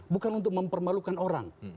bukan untuk mempermalukan orang